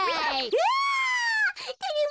うわ。